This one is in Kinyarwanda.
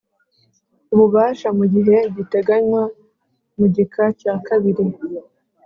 Ububasha mu gihe giteganywa mu gika cya kabiri